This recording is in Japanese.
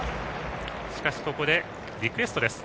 しかし、ここでリクエストです。